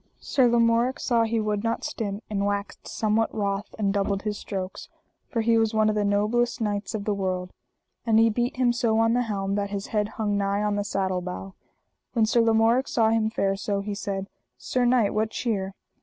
Sir Lamorak saw he would not stint, and waxed somewhat wroth, and doubled his strokes, for he was one of the noblest knights of the world; and he beat him so on the helm that his head hung nigh on the saddle bow. When Sir Lamorak saw him fare so, he said: Sir knight, what cheer?